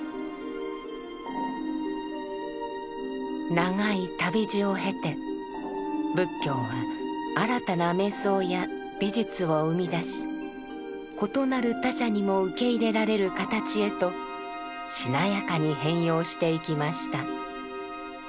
長い旅路を経て仏教は新たな瞑想や美術を生み出し異なる他者にも受け入れられる形へとしなやかに変容していきました。